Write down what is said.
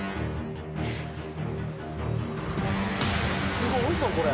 すごいぞこれ。